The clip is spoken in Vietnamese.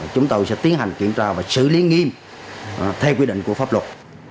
chúng tôi sẽ tiến hành kiểm tra và xử lý nghiêm theo quy định của pháp luật